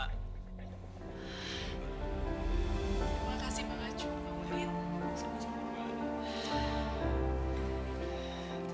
terima kasih bang acu mbak wiwin